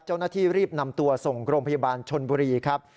เจ้าหน้าที่รีบนำตัวส่งโรงพยาบาลชนบุรีครับ